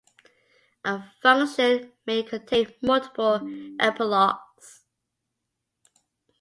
A function may contain multiple epilogues.